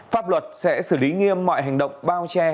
pháp luật sẽ xử lý nghiêm mọi hành động bao che